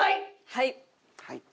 はい。